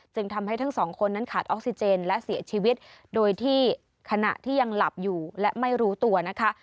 ทำให้ทั้งสองคนนั้นขาดออกซิเจนและเสียชีวิตโดยที่ขณะที่ยังหลับอยู่และไม่รู้ตัวนะคะ